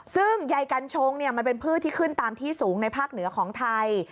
ซึ่งใยกัญชงมันเป็นพืชที่ขึ้นตามที่สูงในภาคเหนือของไทย